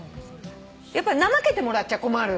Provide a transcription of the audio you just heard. やっぱり怠けてもらっちゃ困るからね。